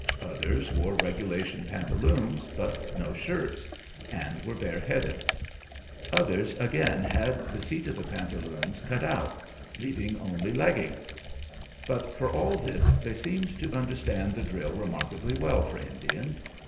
Others wore regulation pantaloons, but no shirts, and were bareheaded; others again had the seat of the pantaloons cut out, leaving only leggings; but for all this they seemed to understand the drill remarkably well for Indians.